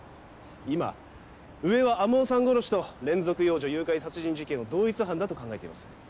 今上は天羽さん殺しと連続幼女誘拐殺人事件を同一犯だと考えています。